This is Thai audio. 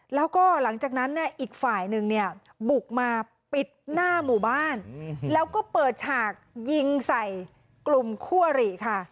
แล้วก็หลังจากนั้นเนี่ยอีกฝ่ายหนึ่งเนี่ยบุกมาปิดหน้าหมู่บ้านแล้วก็เปิดฉากยิงใส่กลุ่มคั่วหรี่ค่ะ